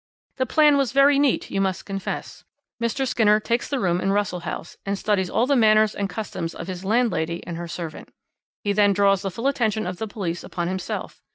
"The plan was very neat, you must confess. Mr. Skinner takes the room in Russell House, and studies all the manners and customs of his landlady and her servant. He then draws the full attention of the police upon himself.